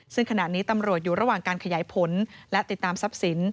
ซึ่งขณะนี้ตำรวจอยู่ระหว่างการขยายผลและติดตามทรัพย์สิน